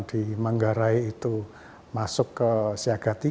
di manggarai itu masuk ke siaga tiga